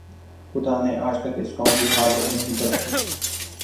خدا نے آج تک اس قوم کی حالت نہیں بدلی